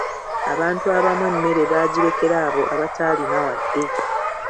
Abantu abamu emmere baagirekera abo abataalina wadde.